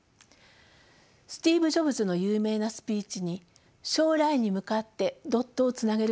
スティーブ・ジョブズの有名なスピーチに「将来に向かってドットをつなげることはできない。